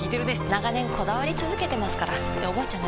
長年こだわり続けてますからっておばあちゃん